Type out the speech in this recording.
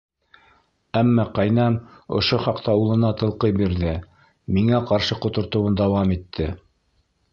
Әммә ҡәйнәм ошо хаҡта улына тылҡый бирҙе, миңә ҡаршы ҡотортоуын дауам итте.